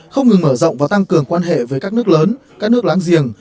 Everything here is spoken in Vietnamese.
không ngừng mở rộng và tăng cường quan hệ với các nước lớn các nước láng giềng